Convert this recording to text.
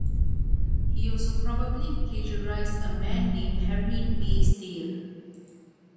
He also probably plagiarized a man named Henry Meystayer.